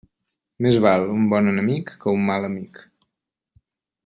Més val un bon enemic que un mal amic.